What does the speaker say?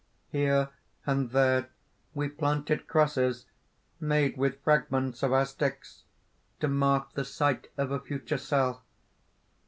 Here and there we planted crosses, made with fragments of our sticks, to mark the site of a future cell.